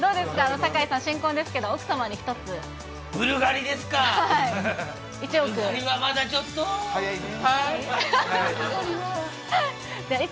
坂井さん、新婚ですけど、奥様にひとつ。